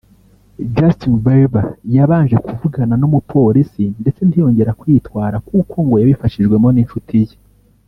Justin Bieber yabanje kuvugana n’umupolisi ndetse ntiyongera kwitwara kuko ngo yabifashijwemo n’inshuti ye